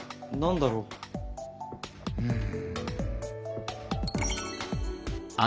うん。